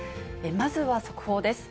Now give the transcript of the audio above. まずは速報です。